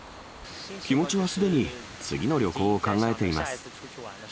気持ちはすでに次の旅行を考えています。